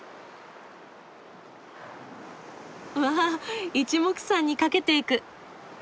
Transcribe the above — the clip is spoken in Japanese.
わあいちもくさんに駆けていく。